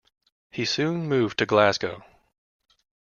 He soon moved to Glasgow.